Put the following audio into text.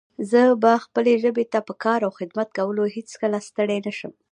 زه به خپلې ژبې ته په کار او خدمت کولو هيڅکله ستړی نه شم